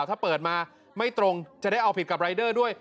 ถ้าเปิดมาไม่ตรงจะได้เอาผิดกับรายเดอร์ด้วย